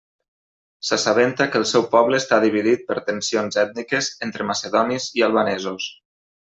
S'assabenta que el seu poble està dividit per tensions ètniques entre macedonis i albanesos.